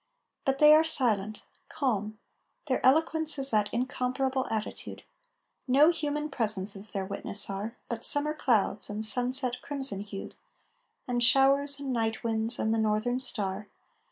But they are silent, calm; their eloquence Is that incomparable attitude; No human presences their witness are, But summer clouds and sunset crimson hued, And showers and night winds and the northern star.